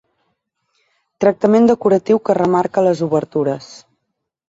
Tractament decoratiu que remarca les obertures.